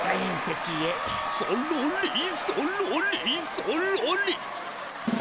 そろりそろりそろり。